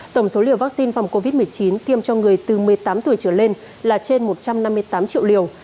tổng số liều vaccine phòng covid một mươi chín tiêm cho người từ một mươi tám tuổi trở lên là trên một trăm năm mươi tám triệu liều